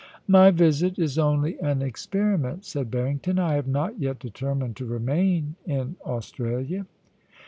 * My visit is only an experiment,' said Barrington ; *I have not yet determined to remain in Australia.'